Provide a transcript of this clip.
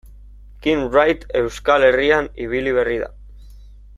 Kim Wright Euskal Herrian ibili berri da.